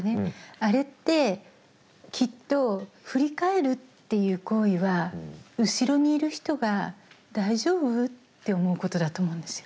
あれってきっと振り返るっていう行為は後ろにいる人が「大丈夫？」って思うことだと思うんですよ。